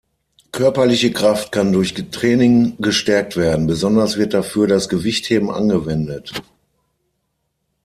Körperliche Kraft kann durch Training gestärkt werden; besonders wird dafür das Gewichtheben angewendet.